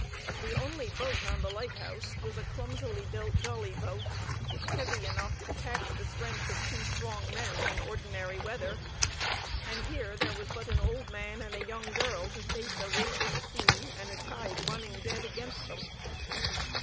The only boat on the lighthouse was a clumsily built jolly boat, heavy enough to tax the strength of two strong men in ordinary weather, and here there was but an old man and a young girl to face a raging sea and a tide running dead against them.